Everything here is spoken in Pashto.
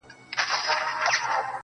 o صندان د محبت دي په هر واري مخته راسي.